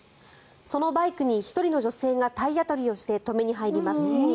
そのバイクに１人の女性が体当たりをして止めに入ります。